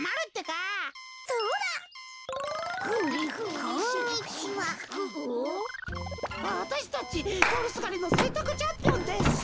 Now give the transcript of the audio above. わたしたちとおりすがりのせんたくチャンピオンです。